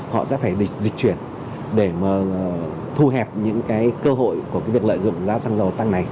họ sẽ phải dịch chuyển để thu hẹp những cơ hội của việc lợi dụng giá xăng dầu tăng này